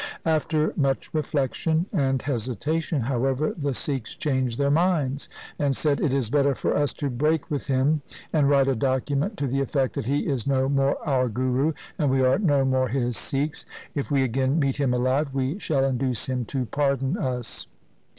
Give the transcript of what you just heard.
After much reflection and hesitation, however, the Sikhs changed their minds and said, ' It is better for us to break with him, and write a document to the effect that he is no more our Guru and we are no more his Sikhs. If we again meet him alive, we shall induce him to pardon us.'